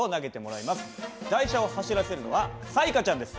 台車を走らせるのは彩加ちゃんです。